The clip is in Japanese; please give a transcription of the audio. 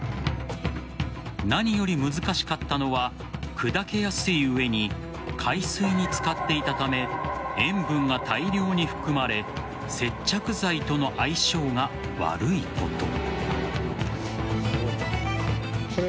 何より難しかったのは砕けやすい上に海水に漬かっていたため塩分が大量に含まれ接着剤との相性が悪いこと。